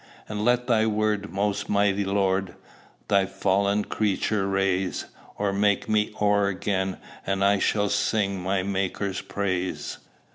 And let thy word, most mighty Lord, Thy fallen creature raise: Oh! make me o'er again, and I Shall sing my Maker's praise."